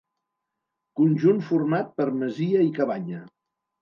Conjunt format per masia i cabanya.